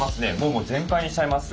もう全開にしちゃいます。